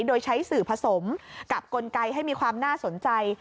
โดยใช้สื่อผสมกับกลไกให้มีความน่าสนใจ